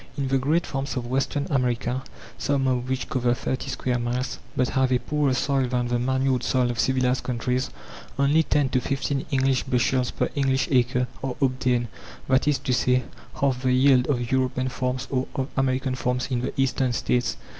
In the great farms of Western America, some of which cover 30 square miles, but have a poorer soil than the manured soil of civilized countries, only 10 to 15 English bushels per English acre are obtained; that is to say, half the yield of European farms or of American farms in the Eastern States.